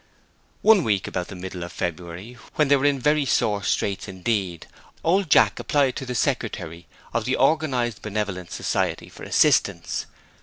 One week about the middle of February, when they were in very sore straits indeed, old Jack applied to the secretary of the Organized Benevolence Society for assistance.